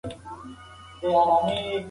دا کار د ماشومانو لپاره ارزښت لري.